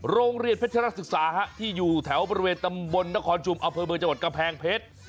โรงเรียนเพชรศึกษาที่อยู่แถวบริเวณตำบลนครชุมอำเภอเมืองจังหวัดกำแพงเพชร